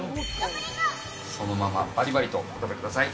そのままバリバリとお食べください。